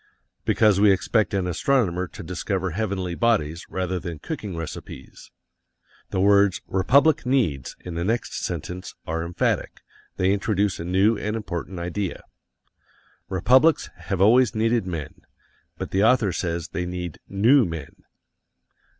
Because we expect an astronomer to discover heavenly bodies rather than cooking recipes. The words, "Republic needs" in the next sentence, are emphatic; they introduce a new and important idea. Republics have always needed men, but the author says they need NEW men.